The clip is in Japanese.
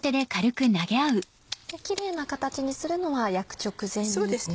キレイな形にするのは焼く直前ということですね。